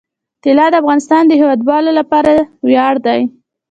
طلا د افغانستان د هیوادوالو لپاره ویاړ دی.